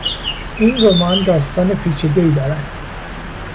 این رمان داستان پیچیدهای دارد.